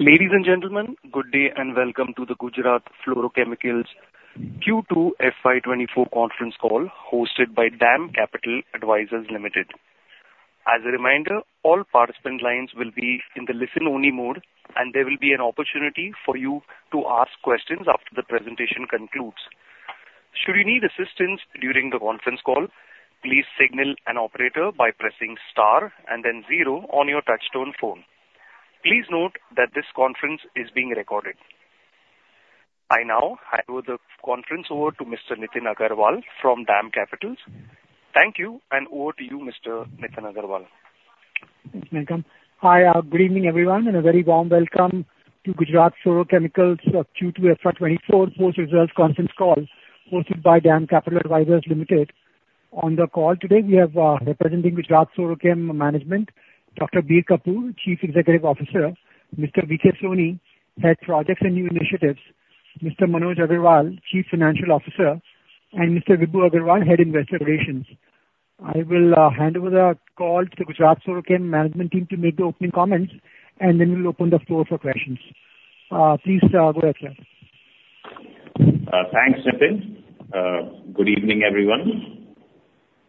Ladies and gentlemen, good day, and welcome to the Gujarat Fluorochemicals Q2 FY 2024 Conference Call, hosted by DAM Capital Advisors Limited. As a reminder, all participant lines will be in the listen-only mode, and there will be an opportunity for you to ask questions after the presentation concludes. Should you need assistance during the conference call, please signal an operator by pressing star and then zero on your touchtone phone. Please note that this conference is being recorded. I now hand over the conference to Mr. Nitin Agarwal from DAM Capital. Thank you, and over to you, Mr. Nitin Agarwal. Thanks, welcome. Hi, good evening, everyone, and a very warm welcome to Gujarat Fluorochemicals Q2 FY24 post-results conference call, hosted by DAM Capital Advisors Limited. On the call today, we have, representing Gujarat Fluorochem management, Dr. Bir Kapoor, Chief Executive Officer, Mr. VK Soni, Head, Projects and New Initiatives, Mr. Manoj Agarwal, Chief Financial Officer, and Mr. Vibhu Agarwal, Head, Investor Relations. I will, hand over the call to the Gujarat Fluorochem management team to make the opening comments, and then we'll open the floor for questions. Please, go ahead, sir. Thanks, Nitin. Good evening, everyone,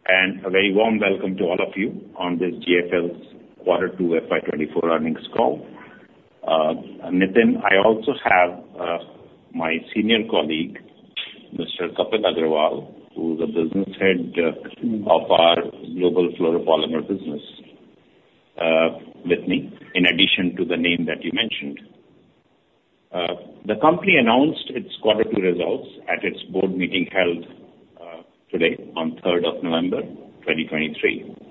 and a very warm welcome to all of you on this GFL's Quarter 2 FY 2024 earnings call. Nitin, I also have my senior colleague, Mr. Kapil Malhotra, who is the Business Head of our Global Fluoropolymers business with me, in addition to the name that you mentioned. The company announced its Q2 results at its board meeting held today on 3 November, 2023.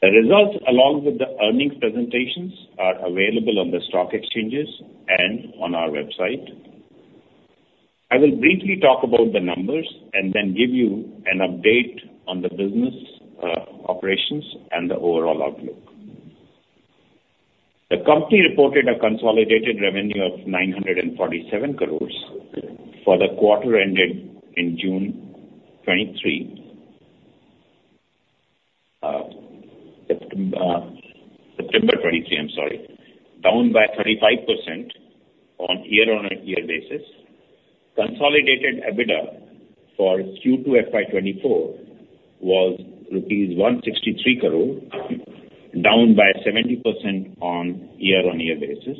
The results, along with the earnings presentations, are available on the stock exchanges and on our website. I will briefly talk about the numbers and then give you an update on the business operations and the overall outlook. The company reported a consolidated revenue of 947 crore for the quarter ended in June 2023. September twenty-three, I'm sorry, down by 35% on year-on-year basis. Consolidated EBITDA for Q2 FY 2024 was rupees 163 crore, down by 70% on year-on-year basis.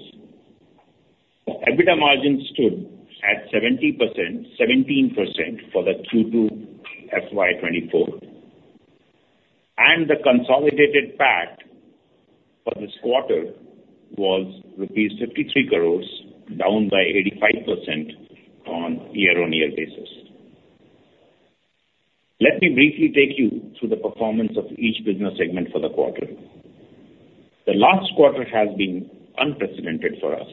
The EBITDA margin stood at 17% for the Q2 FY 2024, and the consolidated PAT for this quarter was rupees 53 crore, down by 85% on year-on-year basis. Let me briefly take you through the performance of each business segment for the quarter. The last quarter has been unprecedented for us,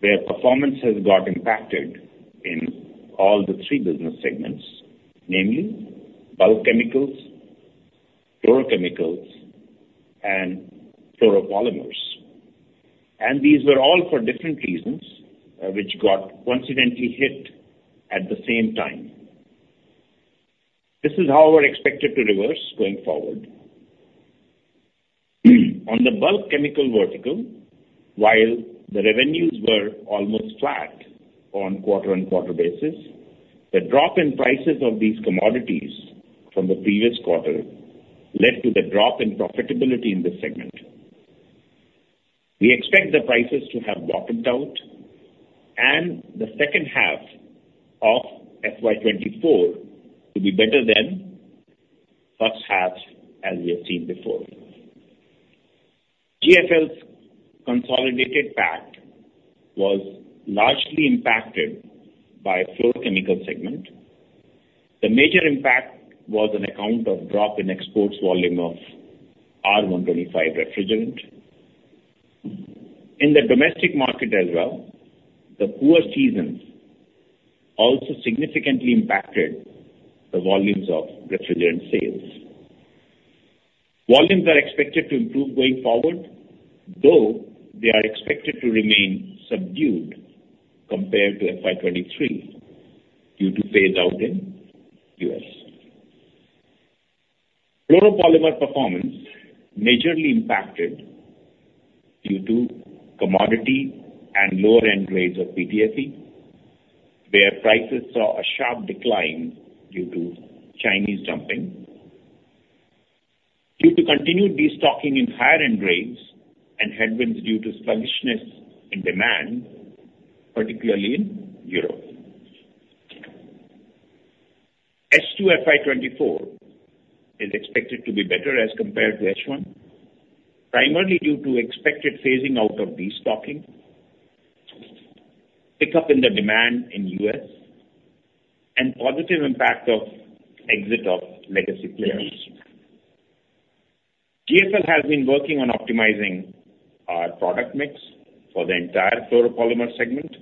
where performance has got impacted in all three business segments, namely, bulk chemicals, fluorochemicals, and fluoropolymers. These were all for different reasons, which got coincidentally hit at the same time. This is, however, expected to reverse going forward. On the bulk chemical vertical, while the revenues were almost flat on quarter-on-quarter basis, the drop in prices of these commodities from the previous quarter led to the drop in profitability in this segment. We expect the prices to have bottomed out and the second half of FY 2024 to be better than first half, as we have seen before. GFL's consolidated PAT was largely impacted by fluorochemicals segment. The major impact was on account of drop in exports volume of R125 refrigerant. In the domestic market as well, the poor seasons also significantly impacted the volumes of refrigerant sales. Volumes are expected to improve going forward, though they are expected to remain subdued compared to FY 2023, due to phase out in US Fluoropolymer performance majorly impacted due to commodity and lower end-grades of PTFE, where prices saw a sharp decline due to Chinese dumping. Due to continued destocking in higher end-grades and headwinds due to sluggishness in demand, particularly in Europe. H2 FY 2024 is expected to be better as compared to H1, primarily due to expected phasing out of destocking, pickup in the demand in US, and positive impact of exit of legacy players. GFL has been working on optimizing our product mix for the entire fluoropolymer segment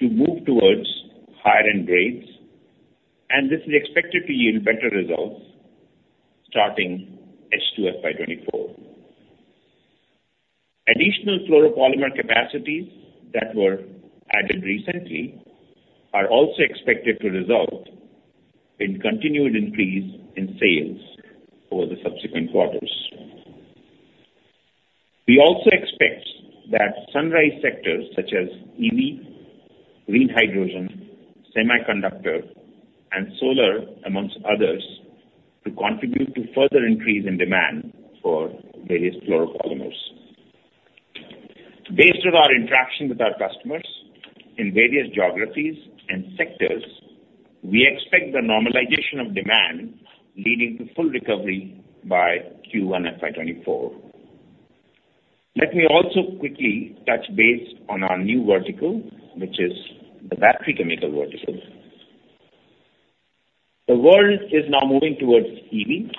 to move towards higher end-grades, and this is expected to yield better results starting H2 FY 2024. Additional fluoropolymer capacities that were added recently are also expected to result in continued increase in sales over the subsequent quarters. We also expect that sunrise sectors such as EV, green hydrogen, semiconductor, and solar, among others, to contribute to further increase in demand for various fluoropolymers. Based on our interaction with our customers in various geographies and sectors, we expect the normalization of demand leading to full recovery by Q1 FY 2024. Let me also quickly touch base on our new vertical, which is the battery chemical vertical. The world is now moving towards EV.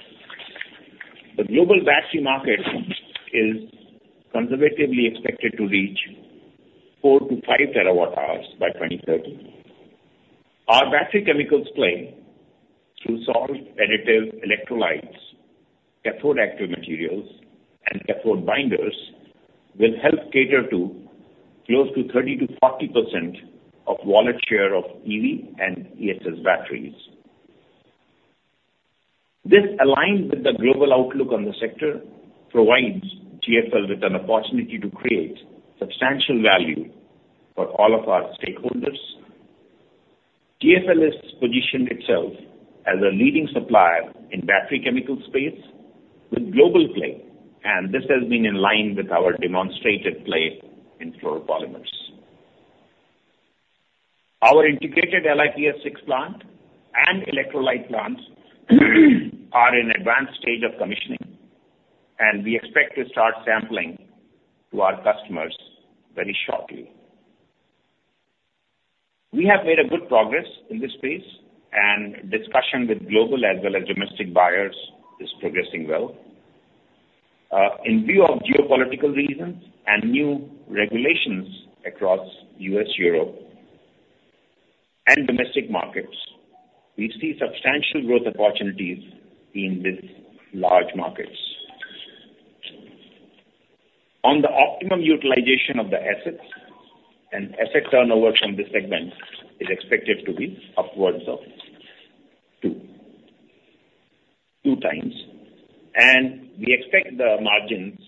The global battery market is conservatively expected to reach 4-5 terawatt-hours by 2030. Our battery chemicals play through salt additive electrolytes, cathode active materials, and cathode binders, will help cater to close to 30% to 40% of wallet share of EV and ESS batteries. This, aligned with the global outlook on the sector, provides GFL with an opportunity to create substantial value for all of our stakeholders. GFL has positioned itself as a leading supplier in battery chemical space with global play, and this has been in line with our demonstrated play in fluoropolymers. Our integrated LiPF6 plant and electrolyte plants are in advanced stage of commissioning, and we expect to start sampling to our customers very shortly. We have made a good progress in this space, and discussion with global as well as domestic buyers is progressing well. In view of geopolitical reasons and new regulations across US, Europe, and domestic markets, we see substantial growth opportunities in these large markets. On the optimum utilization of the assets, and asset turnover from this segment is expected to be upwards of 2, 2x, and we expect the margins,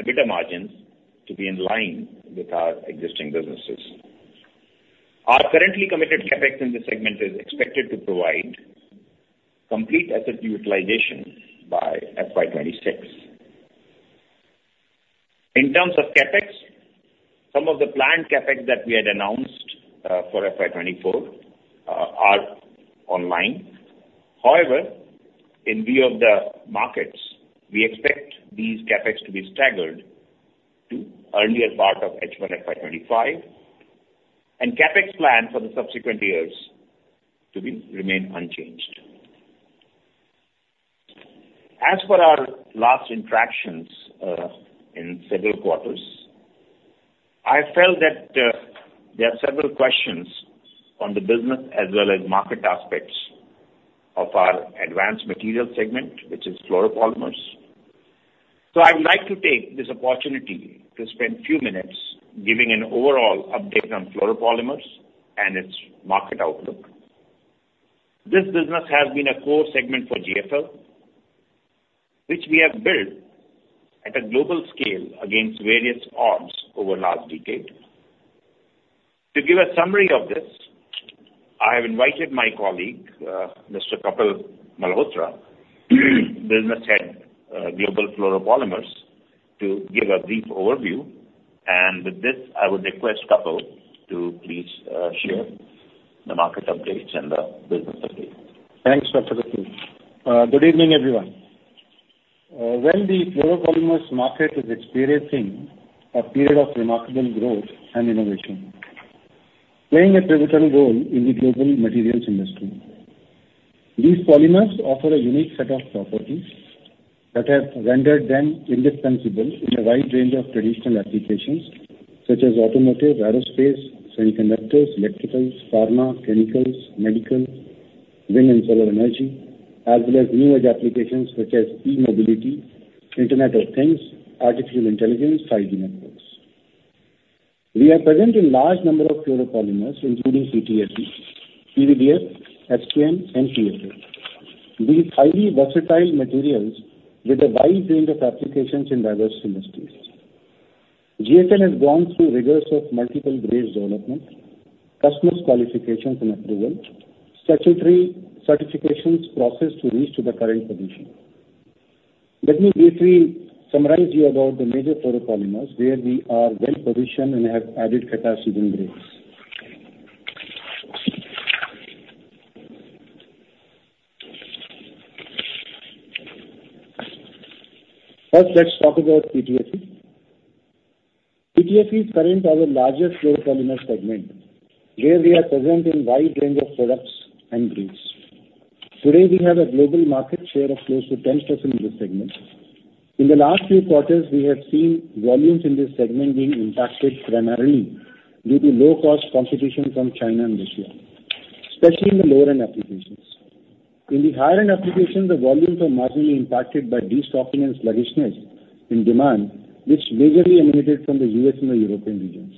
EBITDA margins, to be in line with our existing businesses. Our currently committed CapEx in this segment is expected to provide complete asset utilization by FY 2026. In terms of CapEx, some of the planned CapEx that we had announced, for FY 2024, are online. However, in view of the markets, we expect these CapEx to be staggered to earlier part of H1 FY25, and CapEx plan for the subsequent years to be remain unchanged. As for our last interactions in several quarters, I felt that there are several questions on the business as well as market aspects of our advanced materials segment, which is fluoropolymers. So I would like to take this opportunity to spend a few minutes giving an overall update on fluoropolymers and its market outlook. This business has been a core segment for GFL, which we have built at a global scale against various odds over last decade. To give a summary of this, I have invited my colleague, Mr. Kapil Malhotra, Business Head, Global Fluoropolymers, to give a brief overview. With this, I would request Kapil to please share the market updates and the business updates. Thanks, Dr. Prakash. Good evening, everyone. When the fluoropolymers market is experiencing a period of remarkable growth and innovation, playing a pivotal role in the global materials industry. These polymers offer a unique set of properties that have rendered them indispensable in a wide range of traditional applications such as automotive, aerospace, semiconductors, electricals, pharma, chemicals, medical, wind and solar energy, as well as new age applications such as e-mobility, Internet of Things, artificial intelligence, 5G networks. We are present in large number of fluoropolymers, including CTFE, PVDF, FKM, and PFA. These highly versatile materials with a wide range of applications in diverse industries. GFL has gone through rigors of multiple grade developments, customers qualifications and approval, statutory certifications process to reach to the current position. Let me briefly summarize you about the major fluoropolymers, where we are well positioned and have added capacity in grades. First, let's talk about CTFE. CTFE is currently our largest fluoropolymers segment, where we are present in wide range of products and grades. Today, we have a global market share of close to 10% in this segment. In the last few quarters, we have seen volumes in this segment being impacted primarily due to low cost competition from China and Russia, especially in the lower-end applications. In the higher-end applications, the volumes are marginally impacted by destocking and sluggishness in demand, which majorly emanated from the US and the European regions....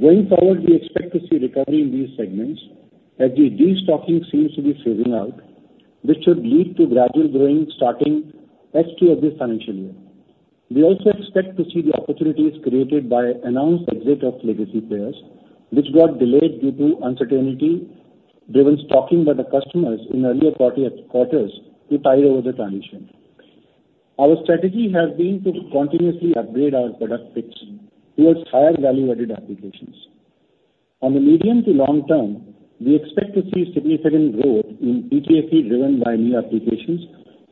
Going forward, we expect to see recovery in these segments as the destocking seems to be phasing out, which should lead to gradual growing starting H2 of this financial year. We also expect to see the opportunities created by announced exit of legacy players, which got delayed due to uncertainty-driven stocking by the customers in earlier quarters to tide over the transition. Our strategy has been to continuously upgrade our product mix towards higher value-added applications. On the medium- to long-term, we expect to see significant growth in PTFE, driven by new applications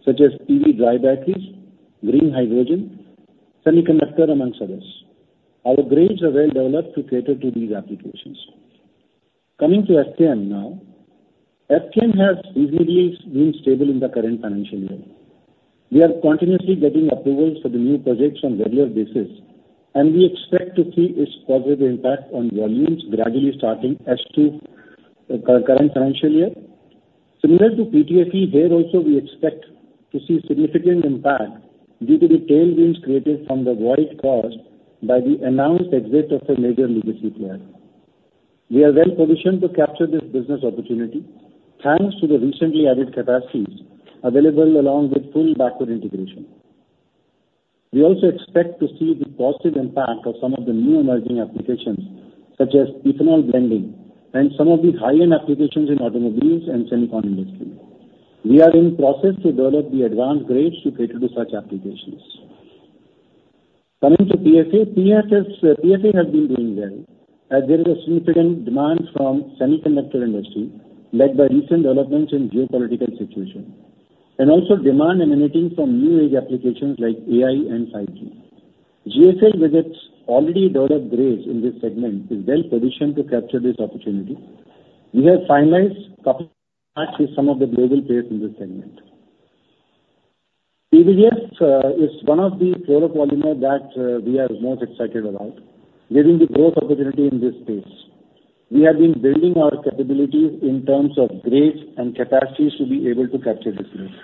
such as EV dry batteries, green hydrogen, semiconductor, among others. Our grades are well developed to cater to these applications. Coming to FKM now. FKM has reasonably been stable in the current financial year. We are continuously getting approvals for the new projects on regular basis, and we expect to see its positive impact on volumes gradually starting S2, current financial year. Similar to PTFE, here also we expect to see significant impact due to the tailwinds created from the void caused by the announced exit of a major legacy player. We are well positioned to capture this business opportunity, thanks to the recently added capacities available along with full backward integration. We also expect to see the positive impact of some of the new emerging applications, such as ethanol blending and some of the high-end applications in automobiles and semicon industry. We are in process to develop the advanced grades to cater to such applications. Coming to PFA. PFA, PFA has been doing well, as there is a significant demand from semiconductor industry, led by recent developments in geopolitical situation, and also demand emanating from new age applications like AI and 5G. GFL with its already developed grades in this segment, is well positioned to capture this opportunity. We have finalized partnership with some of the global players in this segment. PVDF is one of the fluoropolymer that we are most excited about, given the growth opportunity in this space. We have been building our capabilities in terms of grades and capacities to be able to capture this growth.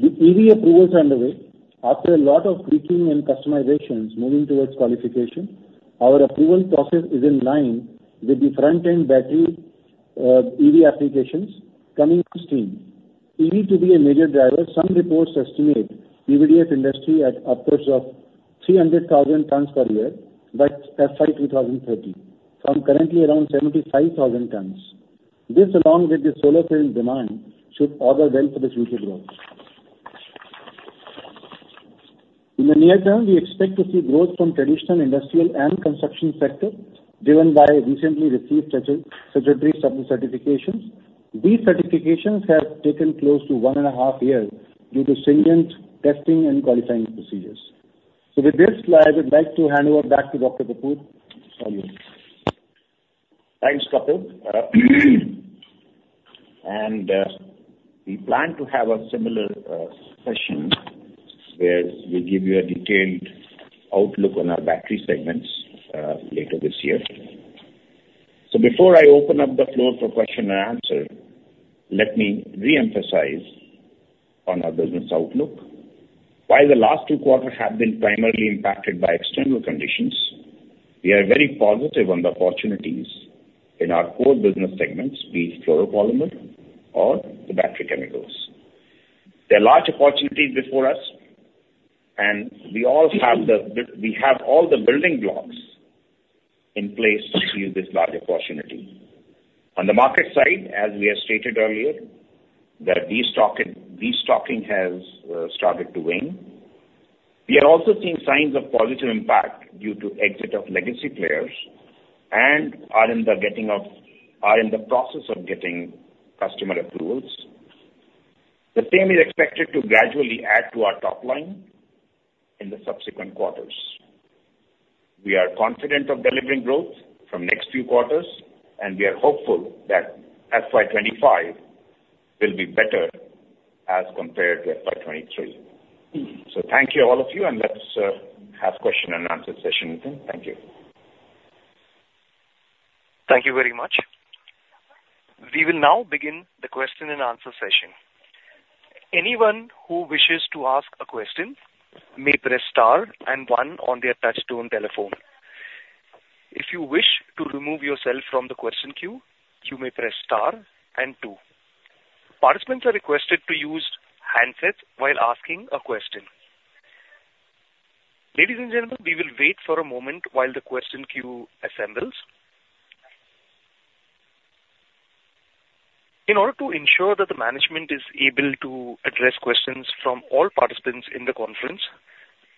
The EV approvals are underway. After a lot of tweaking and customizations moving towards qualification, our approval process is in line with the front-end battery EV applications coming on stream. EV to be a major driver, some reports estimate PVDF industry at upwards of 300,000 tons per year by FY 2030, from currently around 75,000 tons. This, along with the solar panel demand, should augur well for the future growth. In the near term, we expect to see growth from traditional industrial and construction sector, driven by recently received such industry certifications. These certifications have taken close to one and a half years due to stringent testing and qualifying procedures. So with this, I would like to hand over back to Dr. Kapoor. Sayonara. Thanks, Kapil. We plan to have a similar session, where we'll give you a detailed outlook on our battery segments later this year. Before I open up the floor for question and answer, let me reemphasize on our business outlook. While the last two quarters have been primarily impacted by external conditions, we are very positive on the opportunities in our core business segments, be it fluoropolymer or the battery chemicals. There are large opportunities before us, and we have all the building blocks in place to use this larger opportunity. On the market side, as we have stated earlier, that destocking has started to wane. We are also seeing signs of positive impact due to exit of legacy players and are in the process of getting customer approvals. The same is expected to gradually add to our top line in the subsequent quarters. We are confident of delivering growth from next few quarters, and we are hopeful that FY 25 will be better as compared to FY 23. So thank you, all of you, and let's have question and answer session. Thank you. Thank you very much. We will now begin the question and answer session. Anyone who wishes to ask a question may press star and one on their touchtone telephone. If you wish to remove yourself from the question queue, you may press star and two. Participants are requested to use handsets while asking a question. Ladies and gentlemen, we will wait for a moment while the question queue assembles. In order to ensure that the management is able to address questions from all participants in the conference,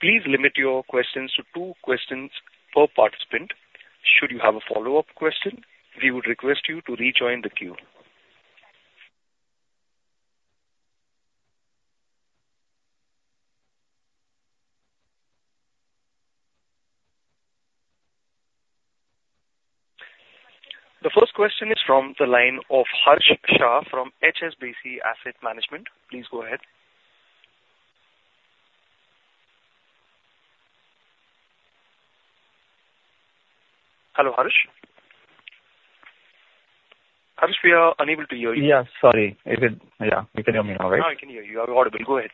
please limit your questions to two questions per participant. Should you have a follow-up question, we would request you to rejoin the queue. The first question is from the line of Harsh Shah from HSBC Asset Management. Please go ahead. Hello, Harsh?... We are unable to hear you. Yeah, sorry. If you, yeah, you can hear me now, right? Now I can hear you. You are audible. Go ahead.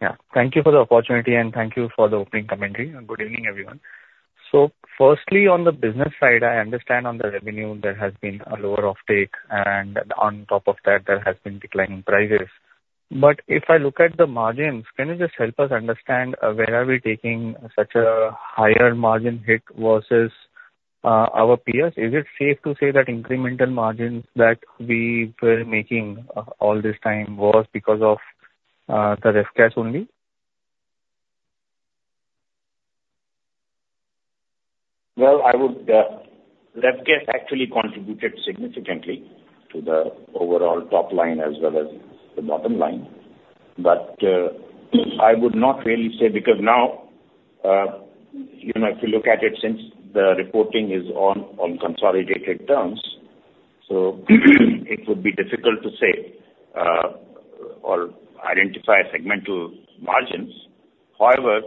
Yeah. Thank you for the opportunity, and thank you for the opening commentary, and good evening, everyone. So firstly, on the business side, I understand on the revenue there has been a lower offtake, and on top of that, there has been declining prices. But if I look at the margins, can you just help us understand, where are we taking such a higher margin hit versus, our peers? Is it safe to say that incremental margins that we were making, all this time was because of, the refrigerants only? Well, I would, Refrigerants actually contributed significantly to the overall top line as well as the bottom line. But, I would not really say, because now, you know, if you look at it, since the reporting is on, on consolidated terms, so it would be difficult to say, or identify segmental margins. However,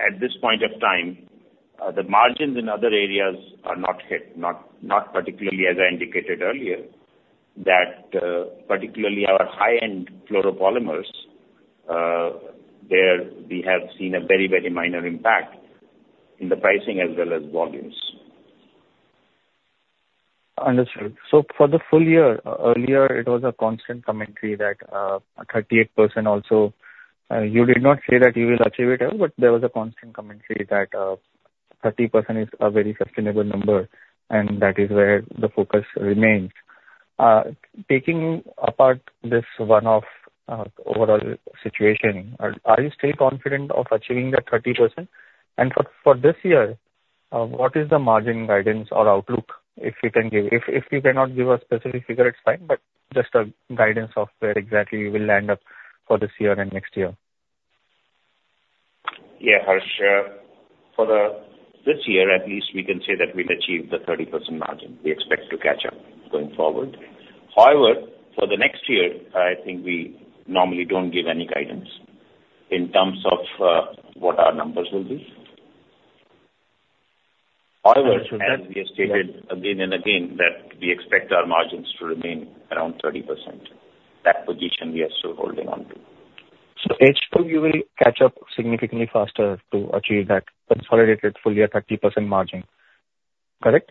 at this point of time, the margins in other areas are not hit, not, not particularly, as I indicated earlier, that, particularly our high-end fluoropolymers, there we have seen a very, very minor impact in the pricing as well as volumes. Understood. So for the full year, earlier, it was a constant commentary that, 38% also, you did not say that you will achieve it, but there was a constant commentary that, 30% is a very sustainable number, and that is where the focus remains. Taking apart this one-off, overall situation, are you still confident of achieving that 30%? And for this year, what is the margin guidance or outlook, if you can give? If you cannot give a specific figure, it's fine, but just a guidance of where exactly you will land up for this year and next year. Yeah, Harsh. For this year at least, we can say that we'll achieve the 30% margin. We expect to catch up going forward. However, for the next year, I think we normally don't give any guidance in terms of what our numbers will be. However, as we have stated again and again, that we expect our margins to remain around 30%. That position, we are still holding on to. H2, you will catch up significantly faster to achieve that consolidated full year 30% margin, correct?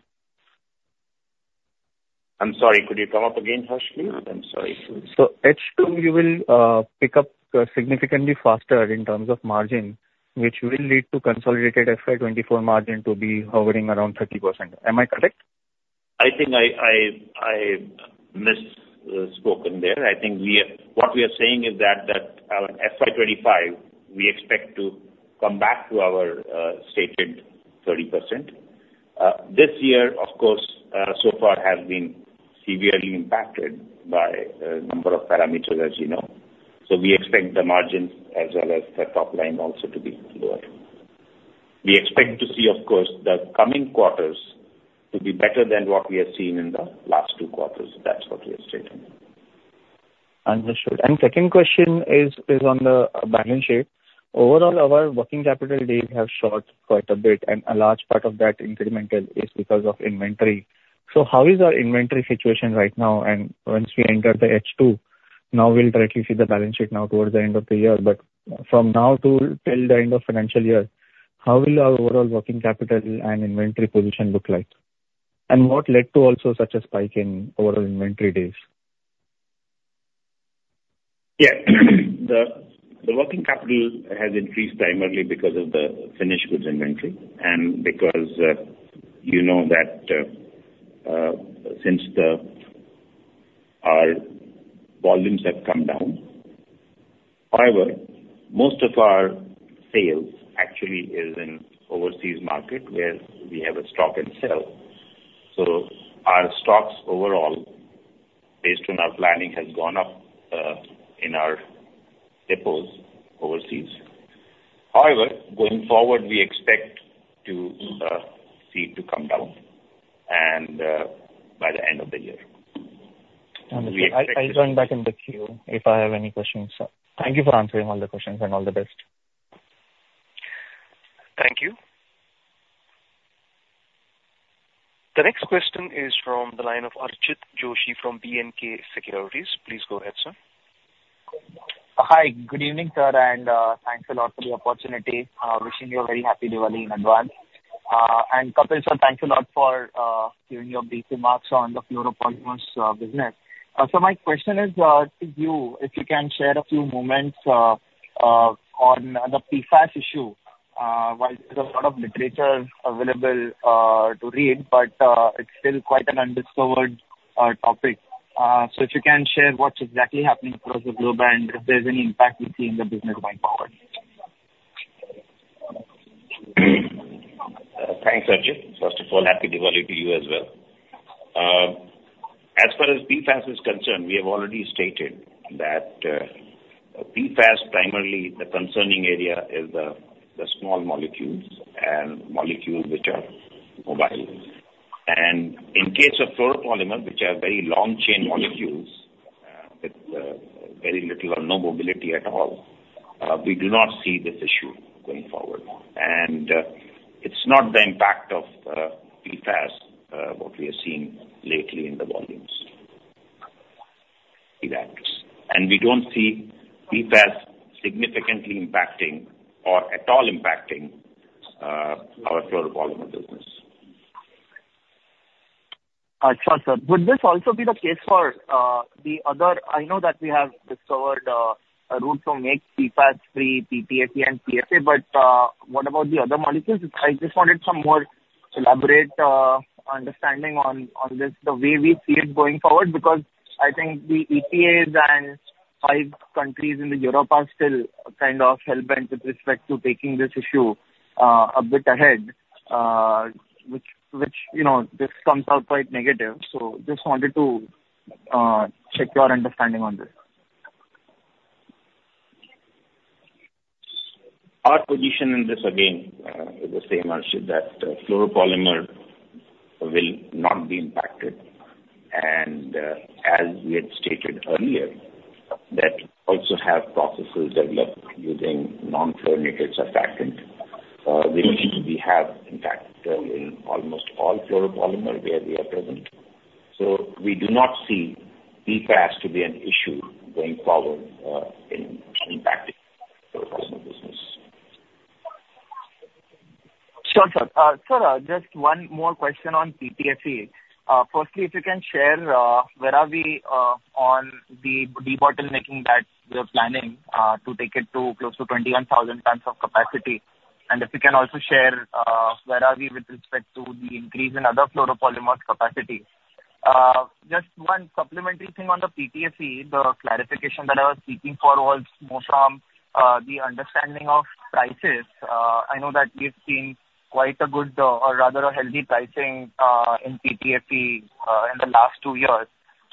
I'm sorry, could you come up again, Harsh, please? I'm sorry. So H2, you will pick up significantly faster in terms of margin, which will lead to consolidated FY 2024 margin to be hovering around 30%. Am I correct? I think I misspoke there. I think what we are saying is that our FY 2025, we expect to come back to our stated 30%. This year, of course, so far has been severely impacted by a number of parameters, as you know. So we expect the margins as well as the top line also to be lower. We expect to see, of course, the coming quarters to be better than what we have seen in the last two quarters. That's what we are stating. Understood. Second question is on the balance sheet. Overall, our working capital days have shot quite a bit, and a large part of that incremental is because of inventory. So how is our inventory situation right now? And once we enter the H2, now we'll directly see the balance sheet now towards the end of the year. But from now till the end of financial year, how will our overall working capital and inventory position look like? And what led to also such a spike in overall inventory days? Yeah. The working capital has increased primarily because of the finished goods inventory and because, you know that, since our volumes have come down. However, most of our sales actually is in overseas market where we have a stock and sell. So our stocks overall, based on our planning, has gone up in our depots overseas. However, going forward, we expect to see it to come down, and by the end of the year. Understood. I'll join back in the queue if I have any questions. So thank you for answering all the questions, and all the best. Thank you. The next question is from the line of Archit Joshi from B&K Securities. Please go ahead, sir. Hi. Good evening, sir, and thanks a lot for the opportunity. Wishing you a very happy Diwali in advance. And Kapil, sir, thank you a lot for giving your brief remarks on the fluoropolymers business. So my question is to you, if you can share a few moments on the PFAS issue. While there's a lot of literature available to read, but it's still quite an undiscovered topic. So if you can share what's exactly happening across the globe, and if there's any impact you see in the business going forward. Thanks, Archit. First of all, Happy Diwali to you as well. As far as PFAS is concerned, we have already stated that PFAS, primarily the concerning area, is the small molecules and molecules which are mobile. And in case of fluoropolymers, which are very long chain molecules with very little or no mobility at all, we do not see this issue going forward. And it's not the impact of PFAS what we are seeing lately in the volumes. And we don't see PFAS significantly impacting or at all impacting our fluoropolymer business. Sure, sir. Would this also be the case for the other—I know that we have discovered a route to make PFAS free, PTFE and PFA, but what about the other molecules? I just wanted some more elaborate understanding on this, the way we see it going forward, because I think the EPAs and five countries in Europe are still kind of hellbent with respect to taking this issue a bit ahead, which, you know, this comes out quite negative. So just wanted to check your understanding on this. Our position in this, again, is the same, Archie, that fluoropolymer will not be impacted. And, as we had stated earlier, that also have processes developed using non-fluorinated surfactant, which we have impacted in almost all fluoropolymer where we are present. So we do not see PFAS to be an issue going forward, in impacting fluoropolymer business. Sure, sir. Sir, just one more question on PTFE. Firstly, if you can share where are we on the debottlenecking that we are planning to take it to close to 21,000 tons of capacity? And if you can also share where are we with respect to the increase in other fluoropolymer capacity. Just one supplementary thing on the PTFE. The clarification that I was seeking for was more from the understanding of prices. I know that we've seen quite a good or rather a healthy pricing in PTFE in the last two years.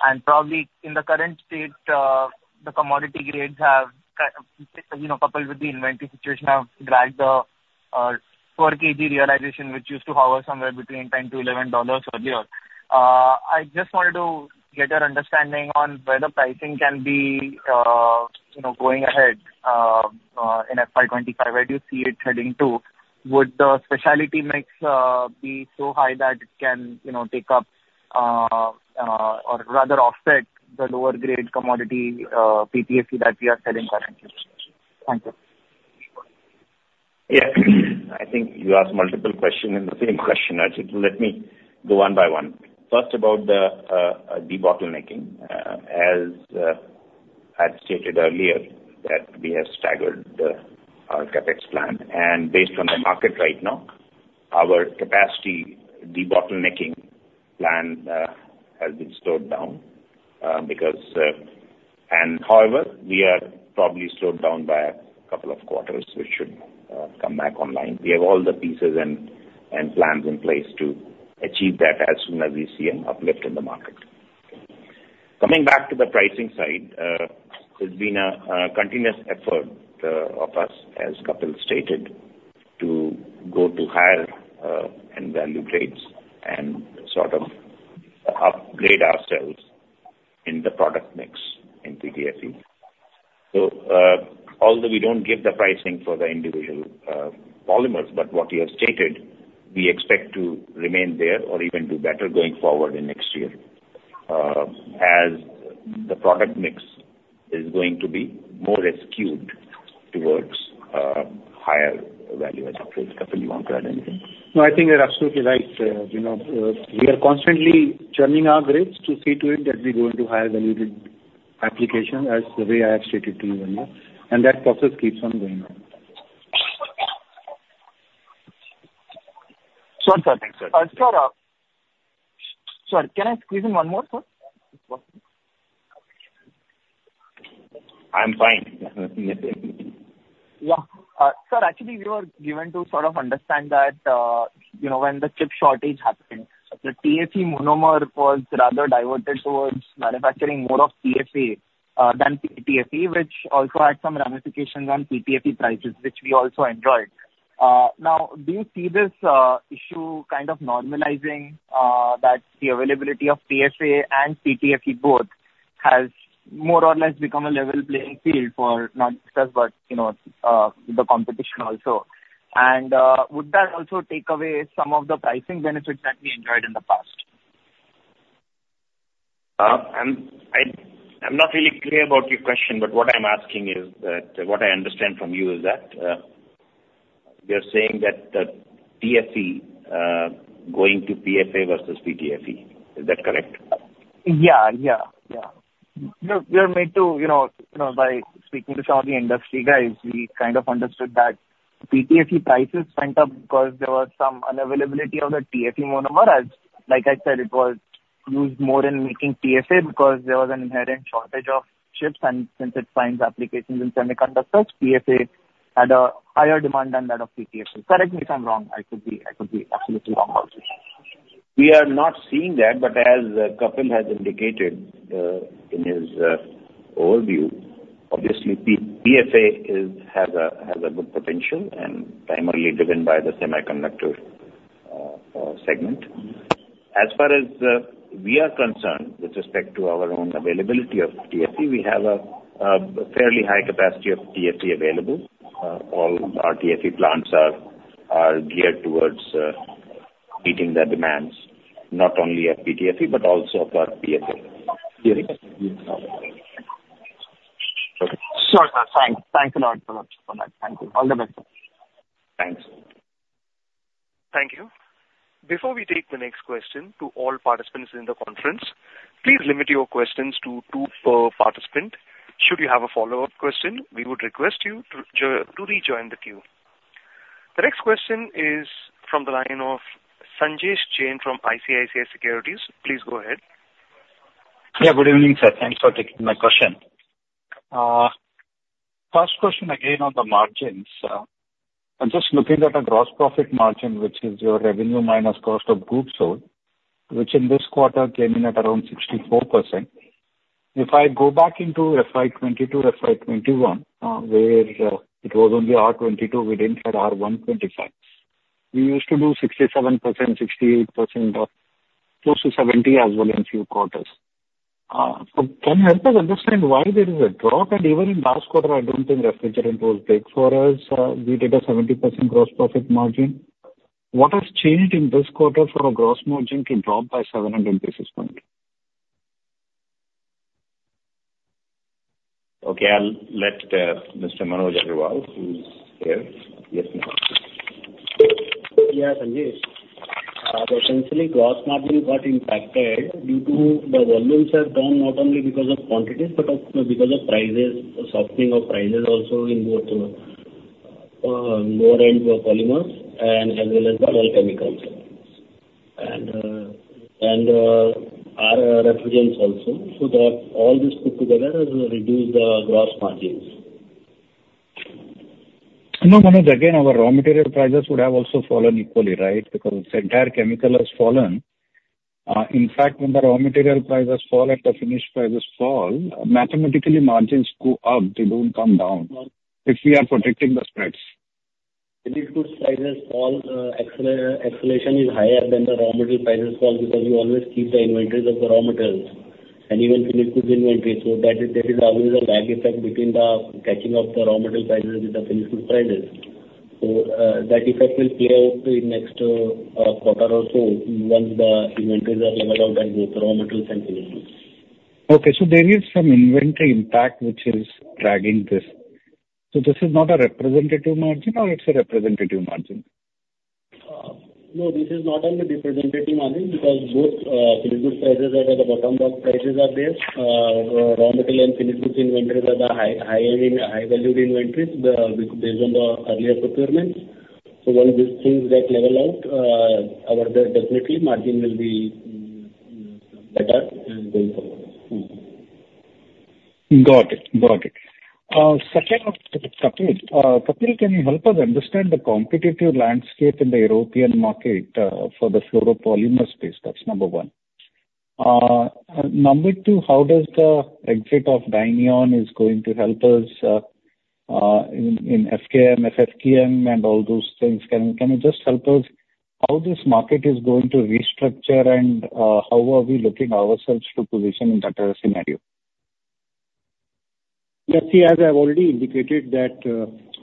And probably in the current state the commodity grades have, you know, coupled with the inventory situation, have dragged the per kg realization, which used to hover somewhere between $10-$11 earlier. I just wanted to get your understanding on where the pricing can be, you know, going ahead, in FY 25, where do you see it heading to? Would the specialty mix be so high that it can, you know, take up, or rather offset the lower grade commodity PTFE that we are selling currently? Thank you. Yeah. I think you asked multiple questions in the same question, Archit. Let me go one by one. First, about the debottlenecking. As I stated earlier, that we have staggered our CapEx plan, and based on the market right now, our capacity debottlenecking plan has been slowed down because... And however, we are probably slowed down by a couple of quarters, which should come back online. We have all the pieces and plans in place to achieve that as soon as we see an uplift in the market. Coming back to the pricing side, there's been a continuous effort of us, as Kapil stated, to go to higher and value grades and sort of upgrade ourselves in the product mix in PTFE. So, although we don't give the pricing for the individual polymers, but what you have stated, we expect to remain there or even do better going forward in next year, as the product mix is going to be more skewed towards higher value add. Kapil, you want to add anything? No, I think you're absolutely right. You know, we are constantly churning our grids to see to it that we go into higher valued application, as the way I have stated to you earlier, and that process keeps on going on. Sure, sir. Thanks, sir. Sir, sir, can I squeeze in one more, sir, if possible? I'm fine. Yeah. Sir, actually, we were given to sort of understand that, you know, when the chip shortage happened, the TFE monomer was rather diverted towards manufacturing more of PFA than PTFE, which also had some ramifications on PTFE prices, which we also enjoyed. Now, do you see this issue kind of normalizing, that the availability of PFA and PTFE both has more or less become a level playing field for not just us, but, you know, the competition also? And, would that also take away some of the pricing benefits that we enjoyed in the past? I'm not really clear about your question, but what I'm asking is that what I understand from you is that you're saying that the TFE going to PFA versus PTFE. Is that correct? Yeah, yeah, yeah. You know, we are made to, you know, you know, by speaking to some of the industry guys, we kind of understood that PTFE prices went up because there was some unavailability of the TFE monomer, as like I said, it was used more in making PFA because there was an inherent shortage of chips, and since it finds applications in semiconductors, PFA had a higher demand than that of PTFE. Correct me if I'm wrong. I could be, I could be absolutely wrong also. We are not seeing that, but as Kapil has indicated in his overview, obviously, PFAS has a good potential and primarily driven by the semiconductor segment. As far as we are concerned, with respect to our own availability of TFE, we have a fairly high capacity of TFE available. All our TFE plants are geared towards meeting the demands, not only of PTFE, but also for PFA. Sure, sir. Thanks. Thanks a lot for that. Thank you. All the best. Thanks. Thank you. Before we take the next question, to all participants in the conference, please limit your questions to two per participant. Should you have a follow-up question, we would request you to rejoin the queue. The next question is from the line of Sanjesh Jain from ICICI Securities. Please go ahead. Yeah, good evening, sir. Thanks for taking my question. First question again on the margins. I'm just looking at the gross profit margin, which is your revenue minus cost of goods sold, which in this quarter came in at around 64%. If I go back into FY2022, FY2021, where it was only R22, we didn't have R125. We used to do 67%, 68%, or close to 70% as well in few quarters. So can you help us understand why there is a drop? Even in last quarter, I don't think refrigerant was great for us. We did a 70% gross profit margin. What has changed in this quarter for our gross margin to drop by 700 basis points? Okay, I'll let Mr. Manoj Agarwal, who is here, yes, Manoj. Yeah, Sanjesh. Essentially, gross margin got impacted due to the volumes have gone not only because of quantities, but because of prices, softening of prices also in both, lower end of polymers and as well as the all chemicals. And, and, our refrigerants also. So that all this put together has reduced the gross margins. No, Manoj, again, our raw material prices would have also fallen equally, right? Because the entire chemical has fallen. In fact, when the raw material prices fall and the finished prices fall, mathematically, margins go up, they don't come down. If we are protecting the spreads. If the finished prices fall, acceleration is higher than the raw material prices fall, because you always keep the inventories of the raw materials and even finished goods inventory. So that, there is always a lag effect between the catching of the raw material prices with the finished goods prices. So, that effect will play out in next quarter or so, once the inventories are leveled out, and both raw materials and finished goods. Okay, so there is some inventory impact which is dragging this. So this is not a representative margin or it's a representative margin? No, this is not a representative margin because both, finished goods prices are at the bottom of prices of this. Raw material and finished goods inventories are the high, high, high valued inventories, based on the earlier procurements. So once these things get level out, our definitely margin will be better going forward. Got it. Got it. Second, Kapil. Kapil, can you help us understand the competitive landscape in the European market for the fluoropolymer space? That's number 1. Number 2, how does the exit of Dyneon is going to help us in FKM, FFKM, and all those things? Can you just help us how this market is going to restructure and how are we looking ourselves to position in that scenario? Let's see, as I've already indicated that,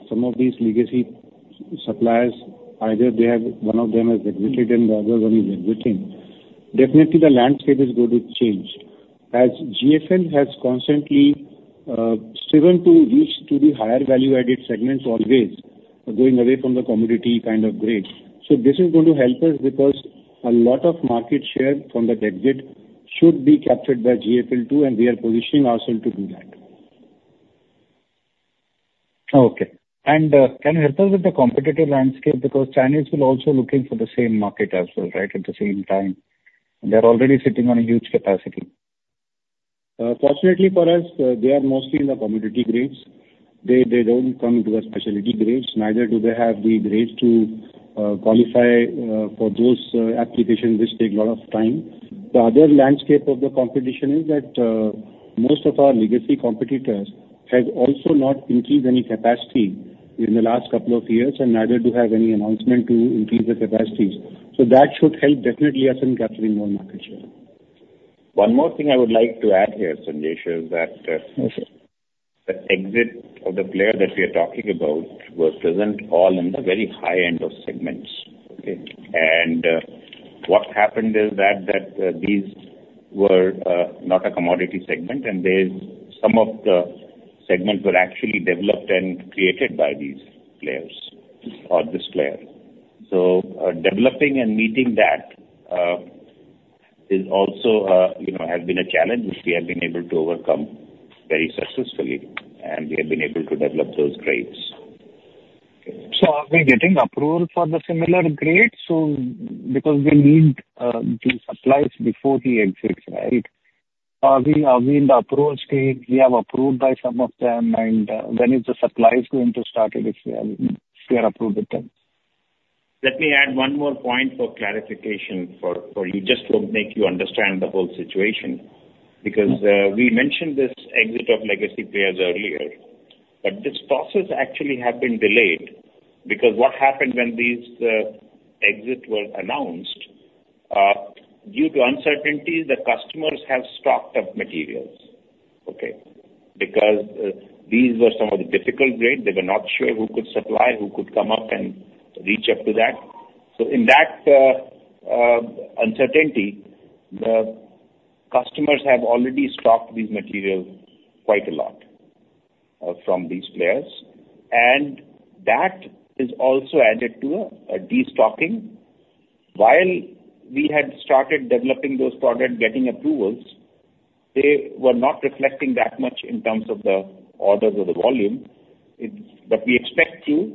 some of these legacy suppliers, either they have... one of them has exited and the other one is exiting. Definitely, the landscape is going to change. As GFL has constantly, striven to reach to the higher value-added segments, always going away from the commodity kind of grade. So this is going to help us, because a lot of market share from the exit should be captured by GFL too, and we are positioning ourselves to do that. Okay. And, can you help us with the competitive landscape? Because Chinese will also looking for the same market as well, right, at the same time. They're already sitting on a huge capacity. Fortunately for us, they are mostly in the commodity grades. They, they don't come into the specialty grades, neither do they have the grades to qualify for those applications, which take a lot of time. The other landscape of the competition is that most of our legacy competitors have also not increased any capacity in the last couple of years, and neither do have any announcement to increase the capacities. So that should help definitely us in capturing more market share. One more thing I would like to add here, Sanjesh, is that, Okay. The exit of the player that we are talking about was present all in the very high end of segments. Okay? And, what happened is that these were not a commodity segment, and there's some of the segments were actually developed and created by these players or this player. So, developing and meeting that is also, you know, has been a challenge which we have been able to overcome very successfully, and we have been able to develop those grades. So are we getting approval for the similar grades? So because we need the supplies before he exits, right? Are we in the approval stage? We have approved by some of them, and when is the supplies going to start, if we are approved with them? Let me add one more point for clarification for, for you, just to make you understand the whole situation. Because, we mentioned this exit of legacy players earlier. But this process actually have been delayed, because what happened when these, exit were announced, due to uncertainties, the customers have stocked up materials. Okay? Because, these were some of the difficult grades. They were not sure who could supply, who could come up and reach up to that. So in that, uncertainty, the customers have already stocked these materials quite a lot, from these players, and that is also added to a, a destocking. While we had started developing those products, getting approvals, they were not reflecting that much in terms of the orders or the volume. But we expect to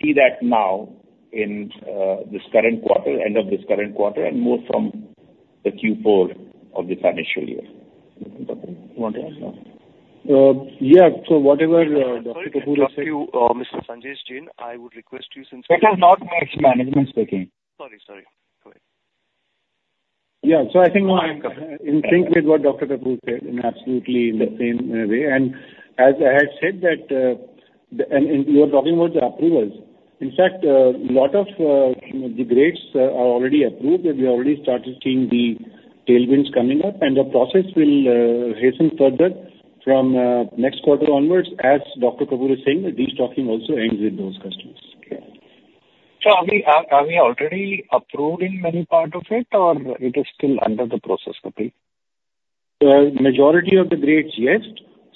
see that now in this current quarter, end of this current quarter, and more from the Q4 of this financial year. Kapil, you want to add something? Yeah. So whatever Dr. Kapoor said- Mr. Sanjesh Jain, I would request you since- It is not management speaking. Sorry, sorry. Go ahead. Yeah. So I think in sync with what Dr. Kapoor said, and absolutely in the same way, and as I had said that, the, and, and you were talking about the approvals. In fact, lot of, you know, the grades are already approved, and we already started seeing the tailwinds coming up, and the process will, hasten further from, next quarter onwards. As Dr. Kapoor is saying, the destocking also ends with those customers. So are we already approving any part of it, or it is still under the process, Kapil? The majority of the grades, yes.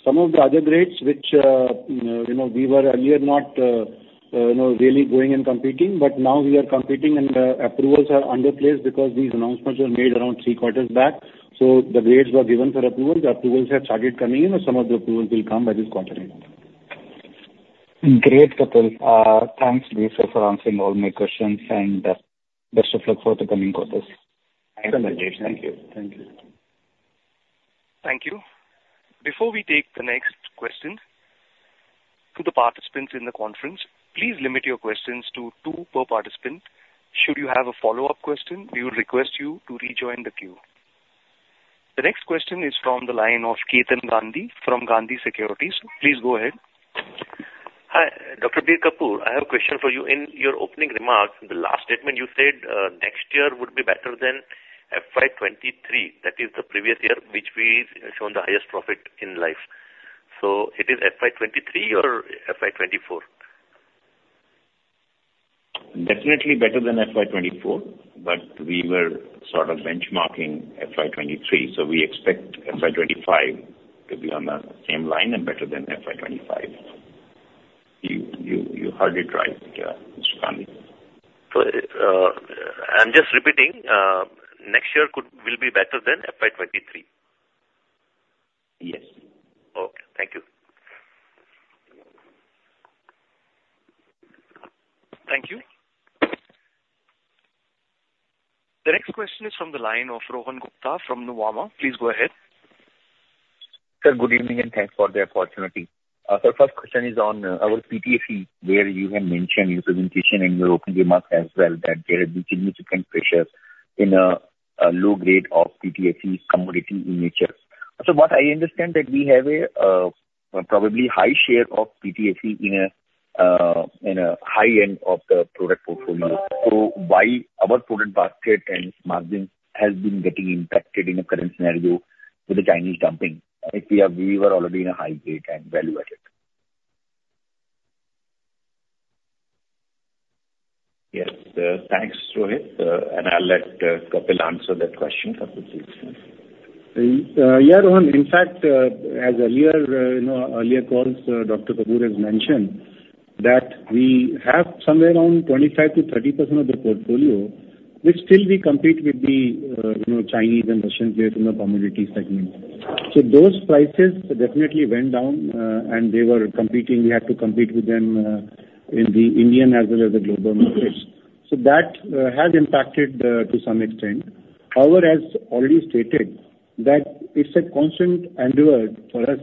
Some of the other grades, which, you know, we were earlier not, you know, really going and competing, but now we are competing, and approvals are in place because these announcements were made around three quarters back. So the grades were given for approval. The approvals have started coming in, or some of the approvals will come by this quarter. Great, Kapil. Thanks to you, sir, for answering all my questions, and best of luck for the coming quarters. Thanks, Sanjesh. Thank you. Thank you. Thank you. Before we take the next question, to the participants in the conference, please limit your questions to two per participant. Should you have a follow-up question, we would request you to rejoin the queue. The next question is from the line of Ketan Gandhi from Gandhi Securities. Please go ahead. Hi, Dr. Bir Kapoor. I have a question for you. In your opening remarks, in the last statement, you said, next year would be better than FY 2023. That is the previous year, which we've shown the highest profit in life. So it is FY 2023 or FY 2024? Definitely better than FY 2024, but we were sort of benchmarking FY 2023, so we expect FY 2025 to be on the same line and better than FY 2025. You heard it right, yeah, Mr. Gandhi. I'm just repeating, next year could-will be better than FY 2023? Yes. Okay. Thank you. Thank you. The next question is from the line of Rohan Gupta from Nuvama. Please go ahead. Sir, good evening, and thanks for the opportunity. So first question is on our PTFE, where you have mentioned in your presentation, in your opening remarks as well, that there has been significant pressure in a low grade of PTFE commodity in nature. So what I understand that we have a probably high share of PTFE in a high end of the product portfolio. So why our product basket and margins has been getting impacted in the current scenario with the Chinese dumping, if we are, we were already in a high grade and value added? Yes, thanks, Rohan. I'll let Kapil answer that question. Kapil, please. Yeah, Rohan. In fact, as earlier, you know, earlier calls, Dr. Kapoor has mentioned, that we have somewhere around 25%-30% of the portfolio, which still we compete with the, you know, Chinese and Russian players in the commodity segment. So those prices definitely went down, and they were competing. We had to compete with them, in the Indian as well as the global markets. So that has impacted, to some extent. However, as already stated, that it's a constant endeavor for us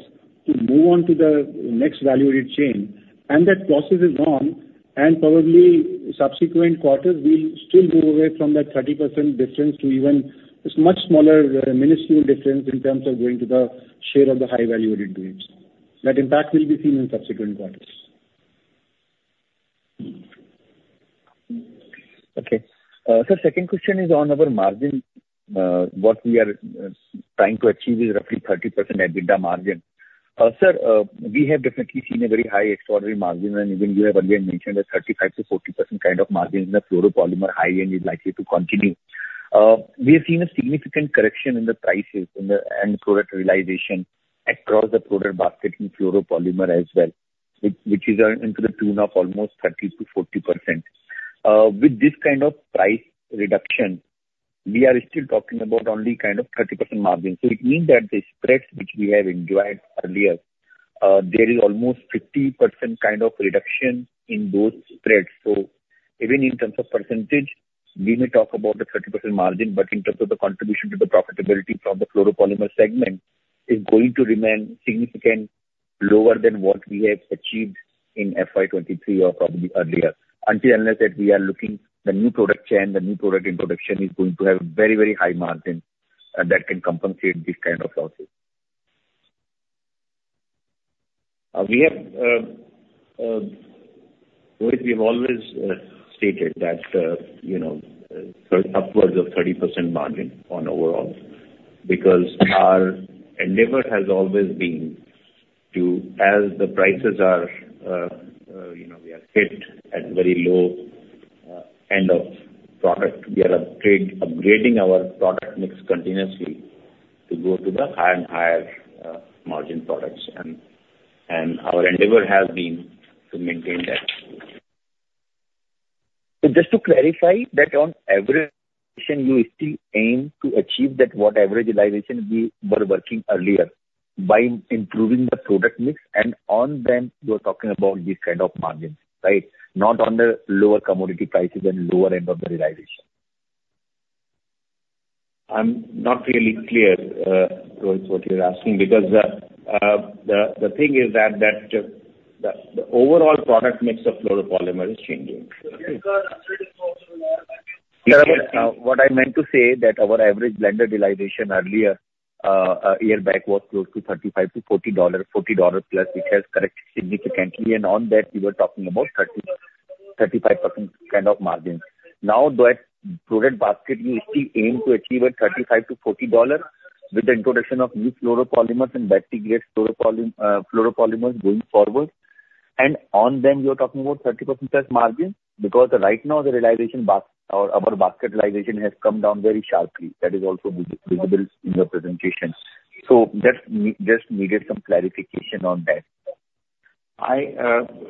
to move on to the next value chain, and that process is on, and probably subsequent quarters, we'll still move away from that 30% difference to even this much smaller, minuscule difference in terms of going to the share of the high valued ingredients. That impact will be seen in subsequent quarters. Okay. So second question is on our margin. What we are trying to achieve is roughly 30% EBITDA margin. Sir, we have definitely seen a very high extraordinary margin, and even you have already mentioned that 35%-40% kind of margin in the fluoropolymer high end is likely to continue. We have seen a significant correction in the prices in the, and product realization across the product basket in fluoropolymer as well, which is to the tune of almost 30%-40%. With this kind of price reduction, we are still talking about only kind of 30% margin. So it means that the spreads which we have enjoyed earlier, there is almost 50% kind of reduction in those spreads. So even in terms of percentage, we may talk about the 30% margin, but in terms of the contribution to the profitability from the fluoropolymer segment, is going to remain significant, lower than what we have achieved in FY 2023 or probably earlier. Until, unless that we are looking the new product chain, the new product introduction is going to have very, very high margin.... And that can compensate this kind of losses. We have, which we have always stated that, you know, upwards of 30% margin on overall, because our endeavor has always been to, as the prices are, you know, we are fit at very low end of product. We are upgrading our product mix continuously to go to the higher and higher, margin products, and our endeavor has been to maintain that. Just to clarify that on average, you still aim to achieve that, what average realization we were working earlier by improving the product mix, and on them you are talking about this kind of margins, right? Not on the lower commodity prices and lower end of the realization. I'm not really clear, Rohit, what you're asking, because the thing is that the overall product mix of fluoropolymer is changing. What I meant to say that our average blended realization earlier, a year back, was close to $35 to 40, $40+, which has corrected significantly, and on that we were talking about 30, 35% kind of margins. Now, that product basket, you still aim to achieve a $35 to 40 with the introduction of new fluoropolymers and battery grade fluoropolymers going forward. And on them, you're talking about 30%+ margin? Because right now, the realization basket or our basket realization has come down very sharply. That is also visible in your presentation. So just needed some clarification on that. I,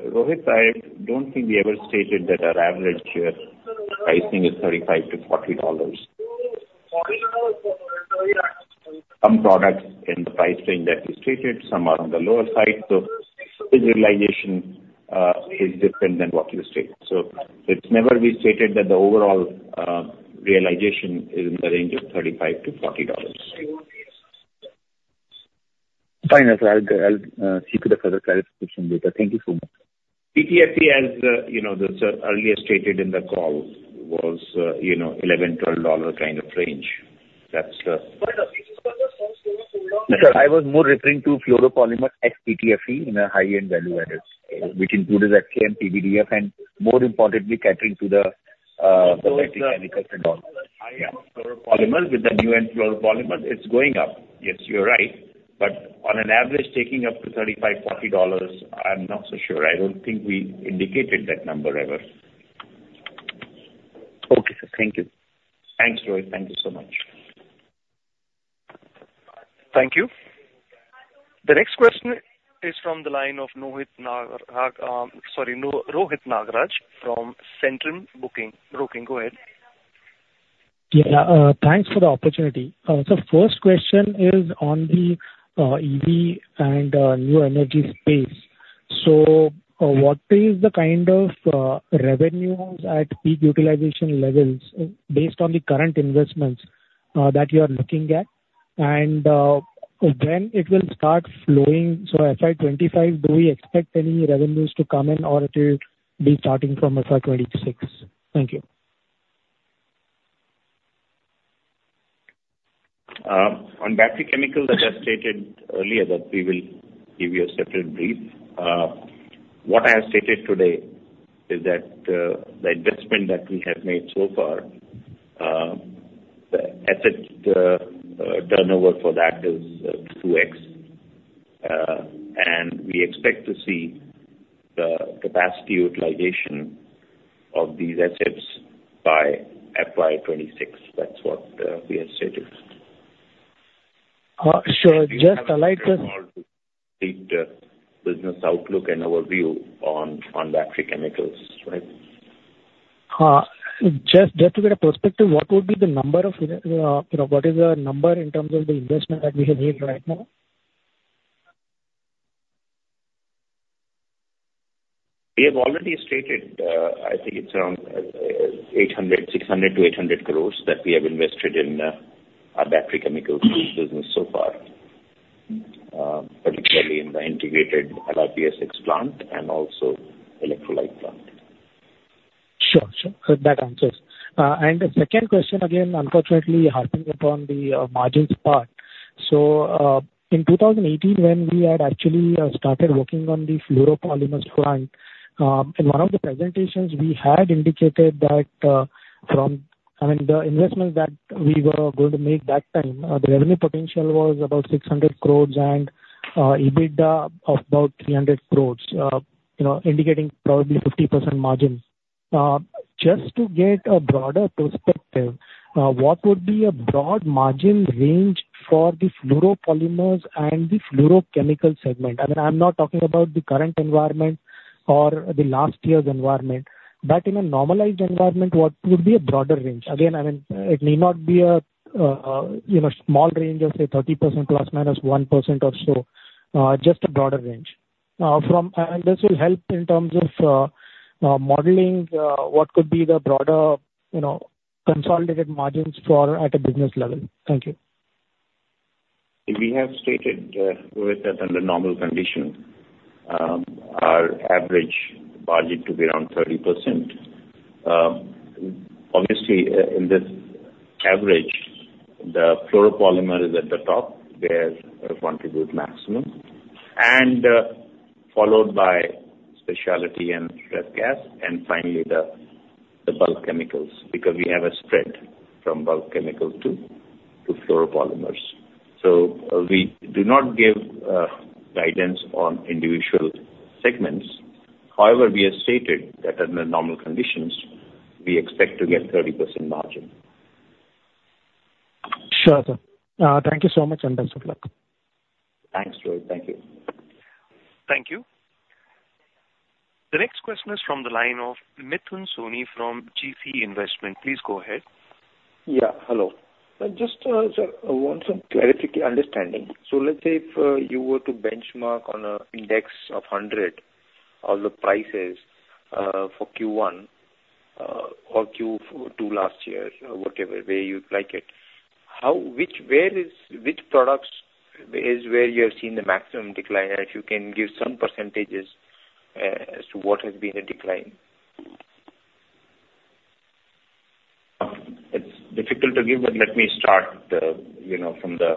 Rohit, I don't think we ever stated that our average pricing is $35 to 40. Some products in the price range that we stated, some are on the lower side, so this realization is different than what you stated. So it's never been stated that the overall realization is in the range of $35 to 40. Fine, sir. I'll seek you the further clarification later. Thank you so much. PTFE, as you know, the earlier stated in the call, was, you know, $11 to 12 kind of range. That's Sir, I was more referring to fluoropolymer PTFE in a high-end value-added, which includes FKM and PVDF, and more importantly, catering to the battery chemicals and all. Fluoropolymers. With the new end fluoropolymers, it's going up. Yes, you're right. But on an average, taking up to $35 to 40, I'm not so sure. I don't think we indicated that number ever. Okay, sir. Thank you. Thanks, Rohit. Thank you so much. Thank you. The next question is from the line of Rohit Nagaraj from Centrum Broking. Go ahead. Yeah, thanks for the opportunity. The first question is on the EV and new energy space. So, what is the kind of revenues at peak utilization levels, based on the current investments that you are looking at? And, when it will start flowing, so FY 25, do we expect any revenues to come in, or it will be starting from FY 26? Thank you. On battery chemicals, as I stated earlier, that we will give you a separate brief. What I have stated today is that the investment that we have made so far, the asset turnover for that is 2x. And we expect to see the capacity utilization of these assets by FY 2026. That's what we have stated. So just I'd like to- The business outlook and our view on, on battery chemicals, right? Just, just to get a perspective, what would be the number of, you know, what is the number in terms of the investment that we have made right now? We have already stated, I think it's around 800, 600-800 crore that we have invested in our battery chemical business so far, particularly in the integrated LiPF6 plant and also electrolyte plant. Sure. Sure. That answers. And the second question, again, unfortunately, harping upon the margins part. So, in 2018, when we had actually started working on the fluoropolymers plant, in one of the presentations, we had indicated that, from... I mean, the investment that we were going to make that time, the revenue potential was about 600 crore and, EBITDA of about 300 crore, you know, indicating probably 50% margins. Just to get a broader perspective, what would be a broad margin range for the fluoropolymers and the fluorochemicals segment? I mean, I'm not talking about the current environment or the last year's environment, but in a normalized environment, what would be a broader range? Again, I mean, it need not be a, you know, small range of, say, 30% ± 1% or so, just a broader range. And this will help in terms of, modeling, what could be the broader, you know, consolidated margins for at a business level. Thank you.... We have stated, with that under normal condition, our average margin to be around 30%. Obviously, in this average, the fluoropolymer is at the top, where contribute maximum, and, followed by specialty and ref gas, and finally the, the bulk chemicals, because we have a spread from bulk chemicals to, to fluoropolymers. So we do not give, guidance on individual segments. However, we have stated that under normal conditions, we expect to get 30% margin. Sure, sir. Thank you so much, and best of luck. Thanks, Rohit. Thank you. Thank you. The next question is from the line of Mithun Soni from GeeCee Investment. Please go ahead. Yeah, hello. Just, sir, I want some clarity understanding. So let's say if you were to benchmark on a index of 100, all the prices, for Q1 or Q2 two last year, or whatever way you'd like it, which products is where you have seen the maximum decline? If you can give some percentages as to what has been a decline. It's difficult to give, but let me start the, you know, from the,